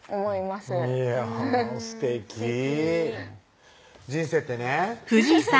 すてきすてき人生ってね